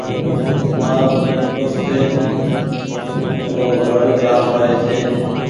مآرو ايڪ دوستي رو گھر جآم پري ڇي ۔